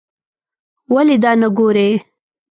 ولې دا نه ګورې.